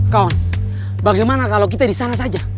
kawan bagaimana kalau kita disana saja